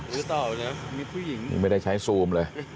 คือตอบเนอะมีผู้หญิง